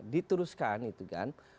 diteruskan itu kan